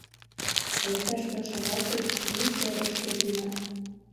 А иктаж пел шагат гыч ме серыште лийынна.